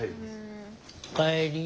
お帰り。